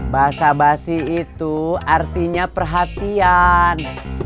basah basih itu artinya perhatian